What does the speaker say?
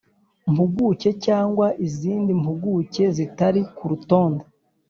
mpuguke cyangwa izindi mpuguke zitari ku rutonde